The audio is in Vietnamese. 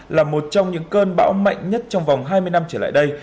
là một trong những cơn bão mạnh nhất trong vòng hai mươi năm trở lại đây